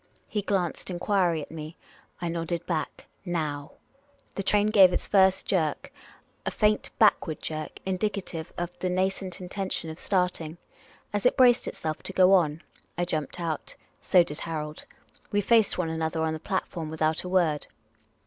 He glanced enquiry at me. I nodded back, " Now !" The train gave its first jerk, a faint backward jerk, indicative of the nascent intention of starting. As it braced itself to go on, I jumped out ; so did Harold. We faced one another on the platform without a word.